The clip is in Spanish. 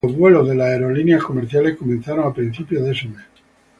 Los vuelos de las aerolíneas comerciales comenzaron a principios de ese mes.